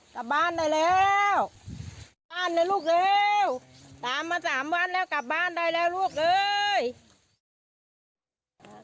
กลับบ้านได้แล้วกลับบ้านเลยลูกเร็วตามมาสามวันแล้วกลับบ้านได้แล้วลูกเอ้ย